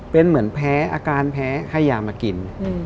เป็นเหมือนแพ้อาการแพ้ให้ยามากิน